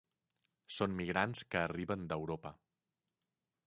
Són migrants que arriben d'Europa.